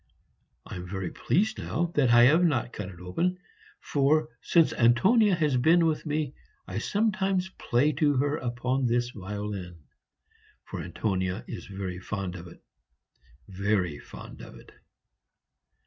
I am very pleased now that I have not cut it open, for since Antonia has been with me I sometimes play to her upon this violin. For Antonia is fond of it very fond of it."